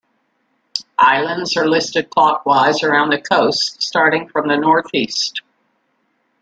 Islands are listed clockwise around the coast, starting from the north-east.